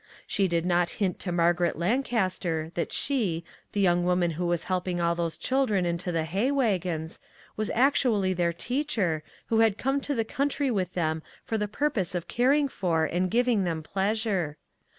She did not hint to Margaret Lancaster that she, the young woman who was helping all those children into the hay wagons, was actually their teacher, who had come to the country with them for the purpose of caring for and giving them pleasure!